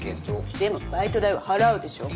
でもバイト代は払うでしょ。